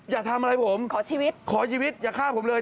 อย่าทำอะไรผมขอชีวิตอย่าฆ่าผมเลย